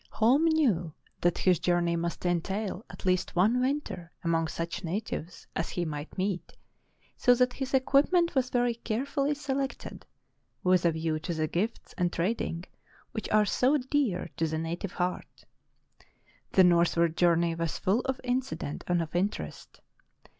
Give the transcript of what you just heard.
Holm knew that his journey must entail at least one winter among such natives as he might meet, so that his equipment was very carefully selected, with a view to the gifts and trading which are so dear to the native heart. The northward journey was full of incident and of interest.